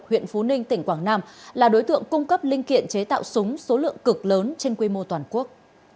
huyện phú ninh tỉnh quảng nam là đối tượng cung cấp linh kiện chế tạo súng số lượng cực lớn trên quy mô toàn quốc